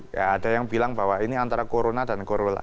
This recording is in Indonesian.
ya ada yang bilang bahwa ini antara corona dan gorola